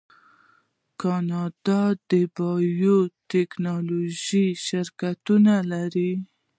کاناډا د بایو ټیکنالوژۍ شرکتونه لري.